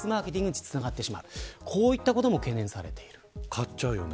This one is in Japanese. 買っちゃうよね。